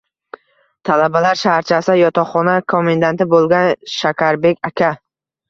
Talabalar shaharchasida yotoqxona komendanti bo`lgan Shakarbek aka